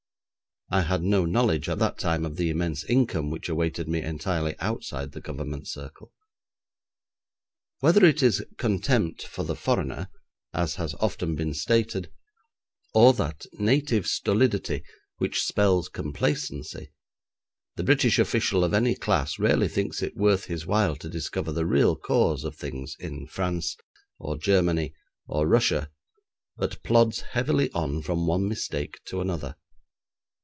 I had no knowledge, at that time, of the immense income which awaited me entirely outside the Government circle. Whether it is contempt for the foreigner, as has often been stated, or that native stolidity which spells complacency, the British official of any class rarely thinks it worth his while to discover the real cause of things in France, or Germany, or Russia, but plods heavily on from one mistake to another.